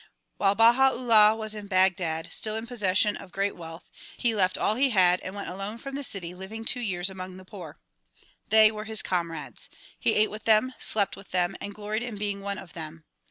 While Baha 'Ullah was in Baghdad, still in possession of great wealth, he left all he had and went alone from the city, living two years among the poor. They were his comrades. He ate with them, slept with them and gloried in being one of them.